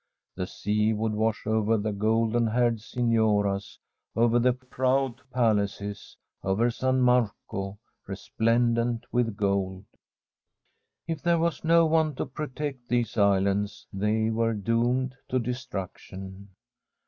The sea would wash over the golden haired signoras, over the proud palaces, over San Marco, resplendent with gold. If there was no one to protect these islands, they were doomed to destruction.